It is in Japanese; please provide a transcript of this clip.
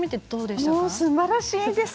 すばらしいです。